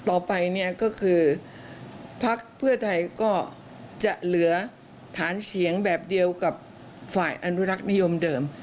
ต่อไปเนี่ยก็คือพักเพื่อไทยก็จะเหลือฐานเสียงแบบเดียวกับฝ่ายอนุรักษ์นิยมเดิม